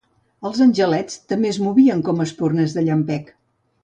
Els angelets també es movien com espurnes de llampec.